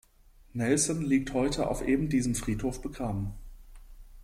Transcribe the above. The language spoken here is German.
Nelson liegt heute auf ebendiesem Friedhof begraben.